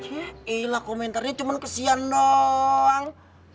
iya lah komentarnya cuman kesian dong